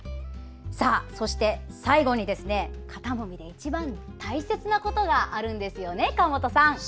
そして最後に、肩もみで一番大切なことがあるんですよね川本さん。